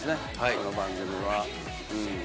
この番組は。